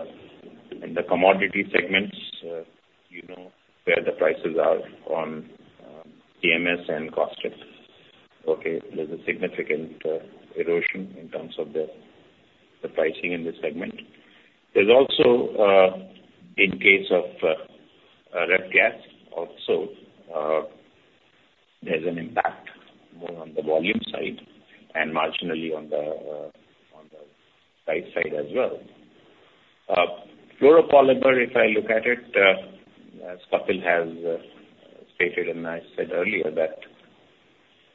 in the commodity segments, where the prices are on, CMS and caustics. Okay, there's a significant erosion in terms of the pricing in this segment. There's also, in case of ref gas also, there's an impact more on the volume side and marginally on the price side as well. Fluoropolymer, if I look at it, as Kapil has stated, and I said earlier that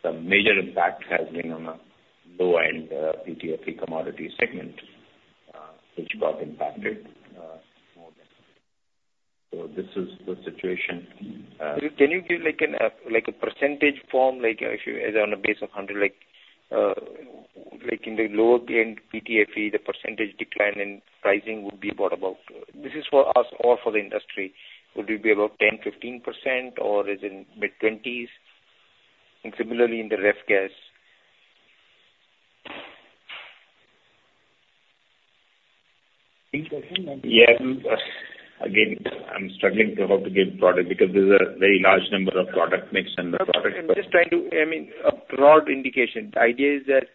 the major impact has been on a low-end PTFE commodity segment, which got impacted more. So this is the situation. Can you give, like, a percentage form, like if you as on a base of hundred, like, in the lower end PTFE, the percentage decline in pricing would be what about? This is for us or for the industry. Would it be about 10%, 15%, or is it mid-20s, and similarly in the ref gas? Yes. Again, I'm struggling to how to give product, because there's a very large number of product mix and the product- I'm just trying to... I mean, a broad indication. The idea is that,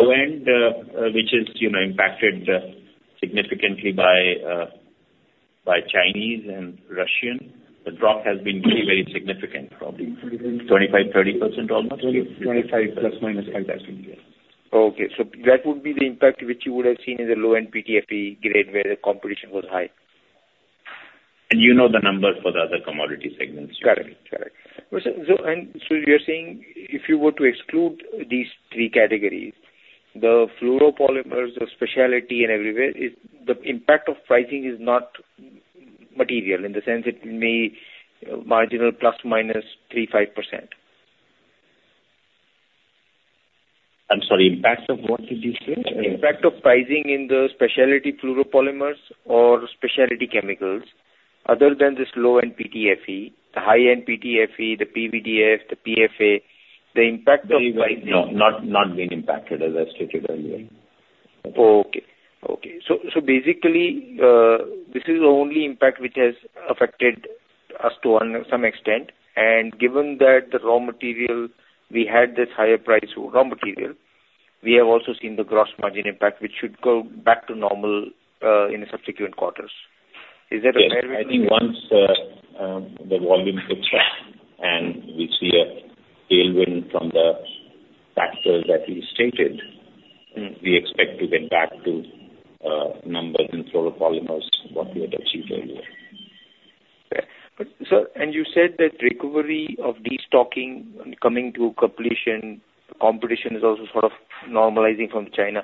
When, which is, you know, impacted significantly by by Chinese and Russian, the drop has been very, very significant, probably 25% to 30% almost. 25 ±5, I think, yes. Okay. So that would be the impact which you would have seen in the low-end PTFE grade, where the competition was high. You know the numbers for the other commodity segments. Correct. Correct. So, and so you're saying if you were to exclude these three categories, the fluoropolymers, the specialty and everywhere, is the impact of pricing is not material, in the sense it may marginal ±3% to 5%? I'm sorry, impact of what did you say? Impact of pricing in the specialty fluoropolymers or specialty chemicals, other than this low-end PTFE, the high-end PTFE, the PVDF, the PFA, the impact of pricing. No, not been impacted, as I stated earlier. Okay. So basically, this is the only impact which has affected us to some extent, and given that the raw material, we had this higher price raw material, we have also seen the gross margin impact, which should go back to normal in the subsequent quarters. Is that a fair- Yes. I think once, the volume looks up and we see a tailwind from the factors that we stated we expect to get back to numbers in fluoropolymers, what we had achieved earlier. But, sir, and you said that recovery of destocking coming to completion, competition is also sort of normalizing from China.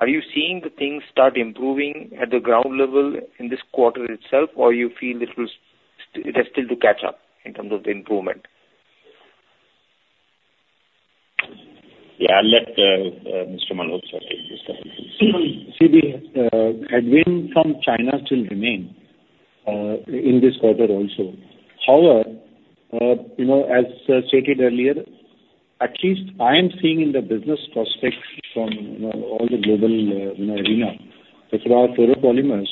Are you seeing the things start improving at the ground level in this quarter itself, or you feel it has still to catch up in terms of the improvement? Yeah, I'll let Mr. Malhotra take this one. See the headwind from China still remain in this quarter also. However, you know, as stated earlier, at least I'm seeing in the business prospects from, you know, all the global, you know, arena. As for our fluoropolymers,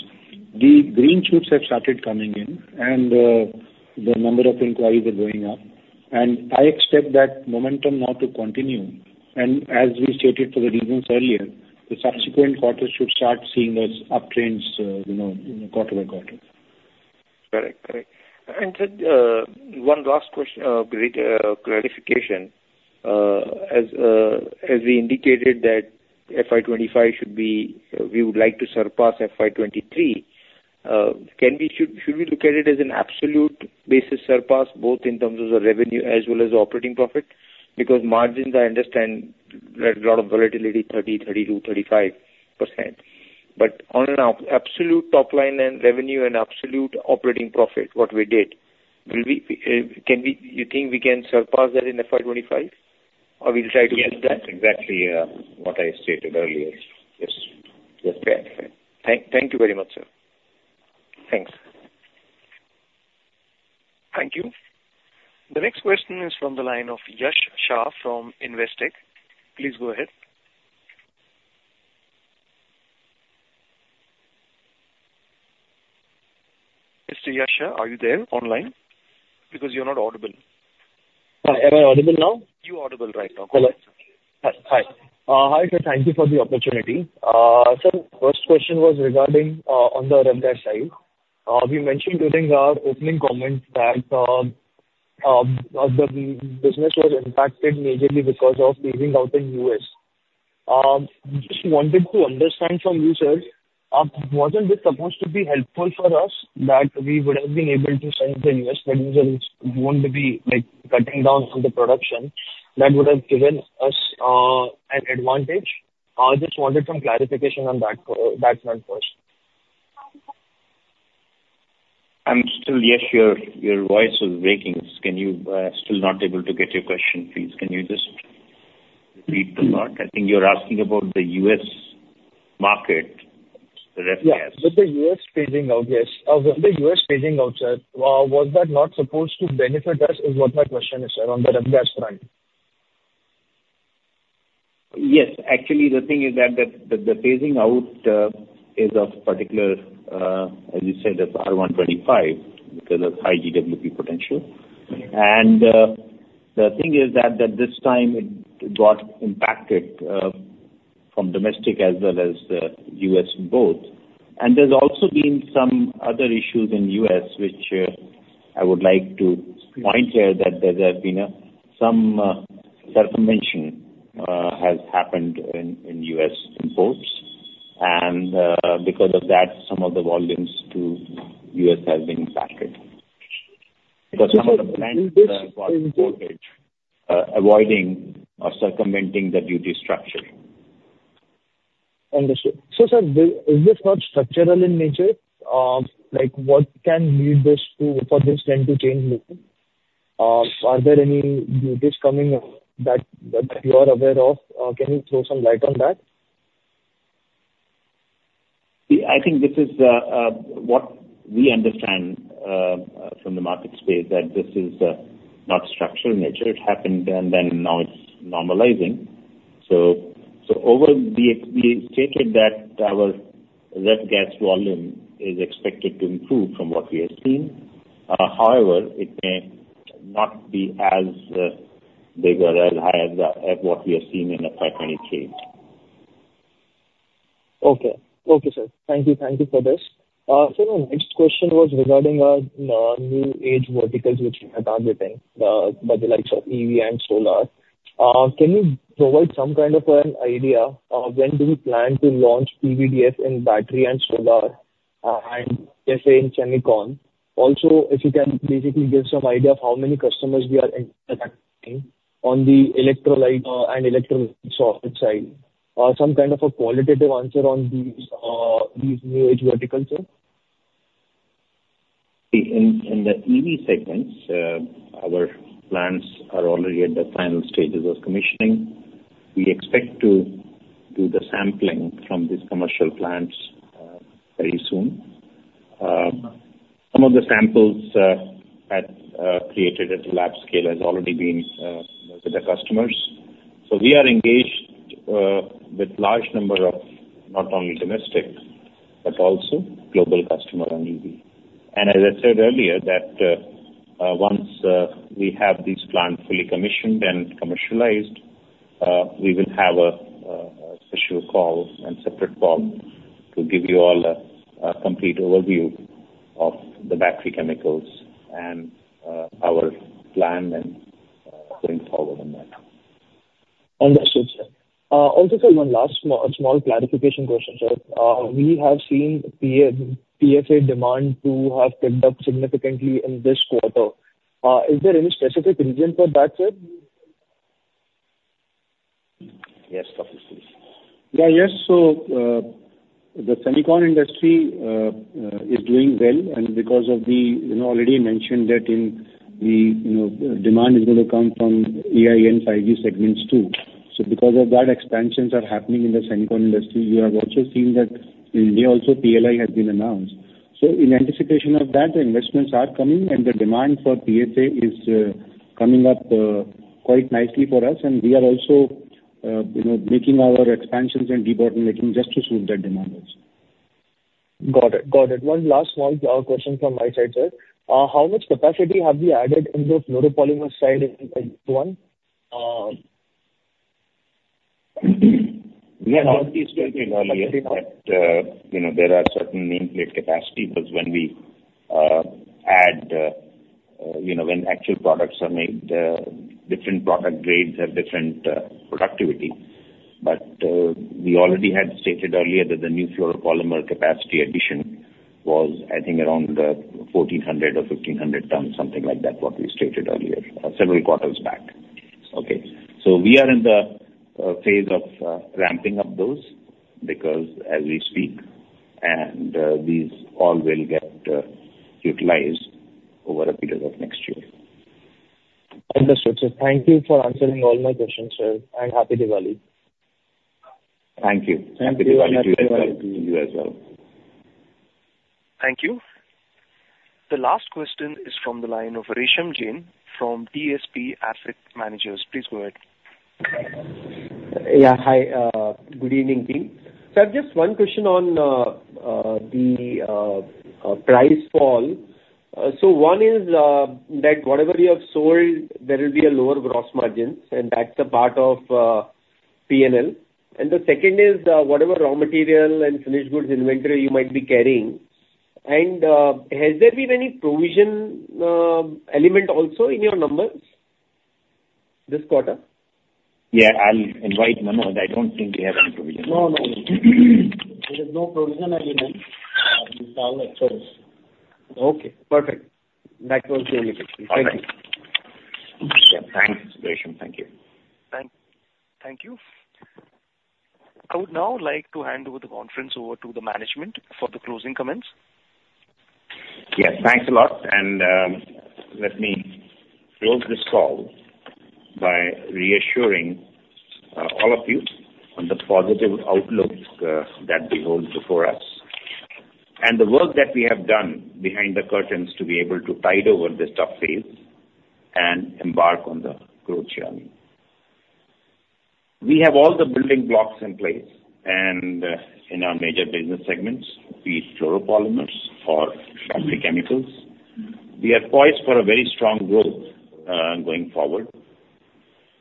the green shoots have started coming in, and the number of inquiries are going up. And I expect that momentum now to continue. And as we stated for the reasons earlier, the subsequent quarters should start seeing those uptrends, you know, quarter by quarter. Correct, correct. One last question, great clarification. As we indicated that FY 25 should be, we would like to surpass FY 23, can we... Should we look at it as an absolute basis surpass both in terms of the revenue as well as operating profit? Because margins, I understand, there's a lot of volatility, 30%, 32%, 35%. But on an absolute top line and revenue and absolute operating profit, what we did, will we, can we-- you think we can surpass that in FY 25?... Or we'll try to get that exactly, what I stated earlier. Yes. Yes. Fair. Thank you very much, sir. Thanks. Thank you. The next question is from the line of Yash Shah from Investec. Please go ahead. Mr. Yash Shah, are you there online? Because you're not audible. Hi. Am I audible now? You're audible right now. Hello. Hi. Hi. Hi, sir. Thank you for the opportunity. Sir, first question was regarding on the refrigerants side. You mentioned during our opening comments that the business was impacted majorly because of phasing out in US Just wanted to understand from you, sir, wasn't this supposed to be helpful for us that we would have been able to send the US producers who want to be, like, cutting down on the production, that would have given us an advantage? I just wanted some clarification on that one first. Still, Yash, your voice is breaking. Can you... Still not able to get your question, please. Can you just repeat the part? I think you're asking about the US market, the ref gas. Yeah. With the US phasing out, yes. Of the US phasing out, sir, was that not supposed to benefit us? Is what my question is, sir, on the ref gas front? Yes. Actually, the thing is that the phasing out is of particular, as you said, the R125, because of high GWP potential. And the thing is that this time it got impacted from domestic as well as the US both. And there's also been some other issues in US which I would like to point here, that there have been a some circumvention has happened in US imports. And because of that, some of the volumes to US has been impacted. Because some of the plans was ported avoiding or circumventing the duty structuring. Understood. So, sir, is this not structural in nature? Like, what can lead this to, for this trend to change, are there any duties coming up that you are aware of? Can you throw some light on that? Yeah, I think this is what we understand from the market space, that this is not structural in nature. It happened, and then now it's normalizing. So, over the... We stated that our ref gas volume is expected to improve from what we have seen. However, it may not be as big or as high as what we have seen in the FY 2023. Okay. Okay, sir. Thank you. Thank you for this. So my next question was regarding new age verticals which you are targeting by the likes of EV and solar. Can you provide some kind of an idea of when do you plan to launch PVDF in battery and solar, and, say, in Semicon? Also, if you can basically give some idea of how many customers we are interacting on the electrolyte, and electrolyte side. Some kind of a qualitative answer on these new age verticals, sir? In the EV segments, our plans are already at the final stages of commissioning. We expect to do the sampling from these commercial plants very soon. Some of the samples had created at the lab scale has already been with the customers. So we are engaged with large number of not only domestic, but also global customer on EV. And as I said earlier, that once we have this plant fully commissioned and commercialized, we will have a special call and separate call to give you all a complete overview of the battery chemicals and our plan and going forward on that. Understood, sir. Also, sir, one last small, small clarification question, sir. We have seen PA-PFA demand to have picked up significantly in this quarter. Is there any specific reason for that, sir? Yes, of course. Yeah. Yes. So, the semicon industry is doing well, and because of the, you know, already mentioned that in the, you know, demand is gonna come from AI and 5G segments, too. So because of that, expansions are happening in the semicon industry. We have also seen that in India also, PLI has been announced. So in anticipation of that, the investments are coming, and the demand for PFA is coming up quite nicely for us, and we are also, you know, making our expansions and debottlenecking just to suit that demand also. Got it. Got it. One last small question from my side, sir. How much capacity have we added in the fluoropolymer side in Q1? We have already stated earlier that, you know, there are certain nameplate capacity, because when we add, you know, when actual products are made, different product grades have different productivity. But, we already had stated earlier that the new fluoropolymer capacity addition was, I think, around 1,400 or 1,500 tons, something like that, what we stated earlier, several quarters back. Okay. So we are in the phase of ramping up those because as we speak, and these all will get utilized... Over a period of next year. Understood, sir. Thank you for answering all my questions, sir, and Happy Diwali! Thank you. Happy Diwali to you as well, to you as well. Thank you. The last question is from the line of Resham Jain from DSP Asset Managers. Please go ahead. Yeah. Hi, good evening, team. So I have just one question on the price fall. So one is that whatever you have sold, there will be a lower gross margins, and that's a part of PNL. And the second is whatever raw material and finished goods inventory you might be carrying, and has there been any provision element also in your numbers this quarter? Yeah, I'll invite Manoj. I don't think we have any provision. No, no, no. There is no provision element in this call, I suppose. Okay, perfect. That was really it. Thank you. Yeah, thanks, Resham. Thank you. Thank you. I would now like to hand over the conference to the management for the closing comments. Yes, thanks a lot, and, let me close this call by reassuring, all of you on the positive outlook, that behold before us. And the work that we have done behind the curtains to be able to tide over this tough phase and embark on the growth journey. We have all the building blocks in place and, in our major business segments, be it fluoropolymers or specialty chemicals. We are poised for a very strong growth, going forward.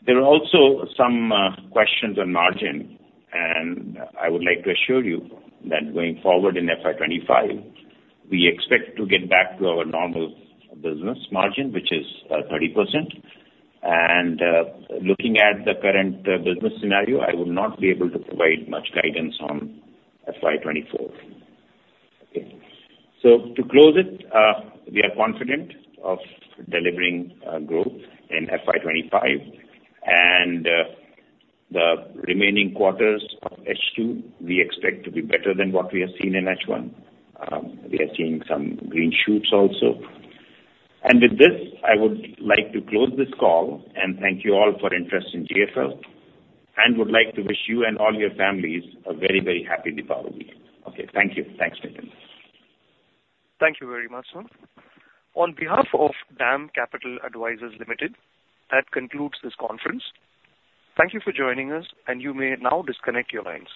There are also some, questions on margin, and I would like to assure you that going forward in FY 2025, we expect to get back to our normal business margin, which is, 30%. And, looking at the current, business scenario, I would not be able to provide much guidance on FY 2024. Okay? So to close it, we are confident of delivering growth in FY 25, and the remaining quarters of H2, we expect to be better than what we have seen in H1. We are seeing some green shoots also. And with this, I would like to close this call and thank you all for interest in GFL, and would like to wish you and all your families a very, very happy Diwali week. Okay, thank you. Thanks, Jain. Thank you very much, sir. On behalf of DAM Capital Advisors Limited, that concludes this conference. Thank you for joining us, and you may now disconnect your lines.